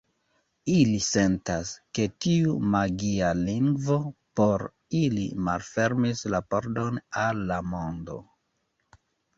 Ili sentas, ke tiu magia lingvo por ili malfermis la pordon al la mondo.